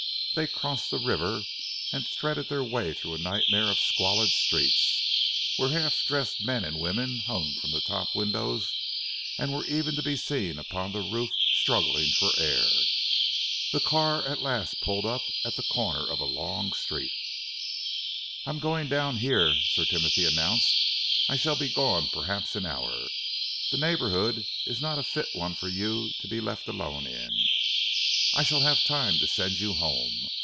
They crossed the river and threaded their way through a nightmare of squalid streets, where half dressed men and women hung from the top windows and were even to be seen upon the roof, struggling for air. The car at last pulled up at the corner of a long street. "I am going down here," Sir Timothy announced. "I shall be gone perhaps an hour. The neighbourhood is not a fit one for you to be left alone in. I shall have time to send you home.